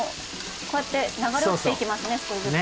こうやって流れ落ちていきますね少しずつね。